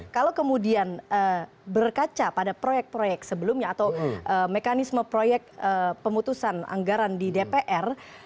kalau kemudian berkaca pada proyek proyek sebelumnya atau mekanisme proyek pemutusan anggaran di dpr